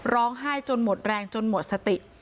ร้องไห้จนหมดแรงจนหมดสติ